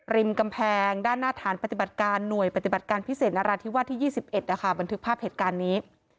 กำแพงด้านหน้าฐานปฏิบัติการหน่วยปฏิบัติการพิเศษนราธิวาสที่๒๑บันทึกภาพเหตุการณ์นี้